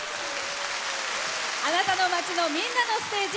あなたの街の、みんなのステージ